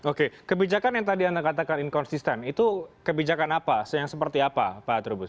oke kebijakan yang tadi anda katakan inkonsisten itu kebijakan apa yang seperti apa pak trubus